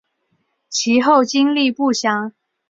其后经历不详。